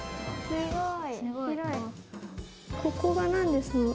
すごい。